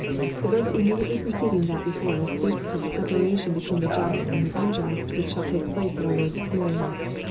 The verse immediately preceding that before us speaks of the separation between the just and 3ie unjust which shall take place at our Lord's appearing.